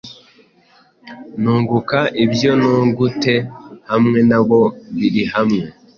Nunguka ibyo nungute, hamwe nabo birihamwe